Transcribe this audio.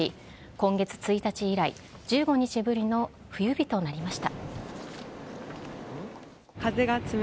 今月１日以来１５日ぶりの冬日となりました。